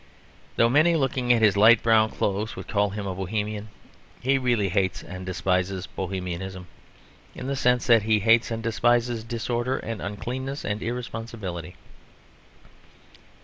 Though many looking at his light brown clothes would call him a Bohemian, he really hates and despises Bohemianism; in the sense that he hates and despises disorder and uncleanness and irresponsibility.